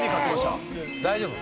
大丈夫？